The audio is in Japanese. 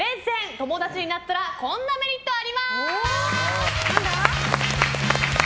友達になったらこんなメリットあります。